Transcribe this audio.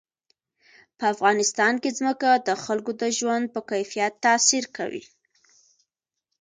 په افغانستان کې ځمکه د خلکو د ژوند په کیفیت تاثیر کوي.